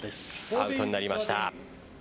アウトになりました。